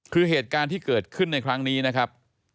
คือเหตุการณ์ที่เกิดขึ้นในครั้งนี้นะครับ